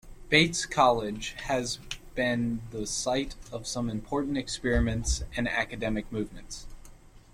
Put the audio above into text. Bates College has been the site of some important experiments and academic movements.